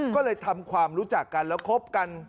ก็เลยทำความรู้จักกันแล้วคบกัน